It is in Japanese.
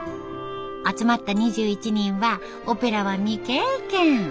集まった２１人はオペラは未経験。